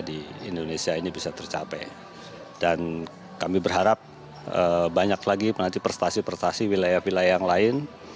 dan kami berharap banyak lagi prestasi prestasi wilayah wilayah yang lain